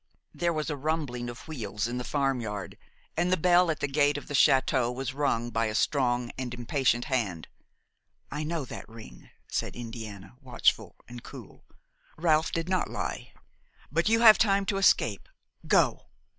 There was a rumbling of wheels in the farmyard, and the bell at the gate of the château was rung by a strong and impatient hand. "I know that ring," said Indiana, watchful and cool. "Ralph did not lie; but you have time to escape; go!"